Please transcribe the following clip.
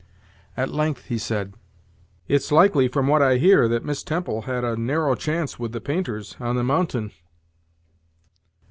At length he said: "It's likely, from what I hear, that Miss Temple had a narrow chance with the painters, on the mountain."